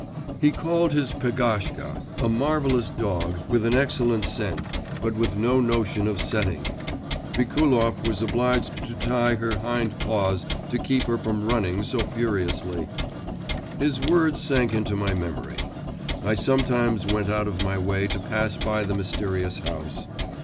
He called his Pegashka, a marvellous dog, with an excellent scent, but with no notion of setting. Vikulov was obliged to tie her hind paws to keep her from running so furiously. His words sank into my memory. I sometimes went out of my way to pass by the mysterious house.